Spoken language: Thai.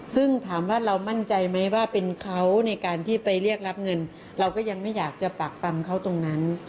ซึ่งถามว่าเรามั่นใจไหมว่าเป็นเขาในการที่ไปเรียกรับเงินเราก็ยังไม่อยากจะปากปำเขาตรงนั้น